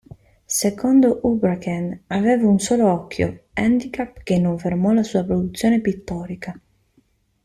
Secondo Houbraken aveva un solo occhio, handicap che non fermò la sua produzione pittorica.